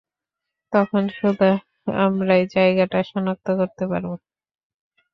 তখন শুধু আমরাই জায়গাটা শনাক্ত করতে পারবো।